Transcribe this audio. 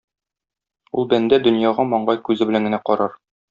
Ул бәндә дөньяга маңгай күзе белән генә карар.